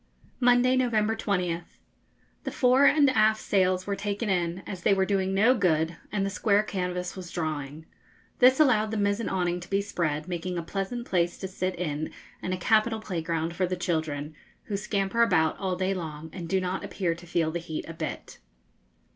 Monday, November 20th. The fore and aft sails were taken in, as they were doing no good and the square canvas was drawing. This allowed the mizen awning to be spread, making a pleasant place to sit in and a capital playground for the children, who scamper about all day long, and do not appear to feel the heat a bit.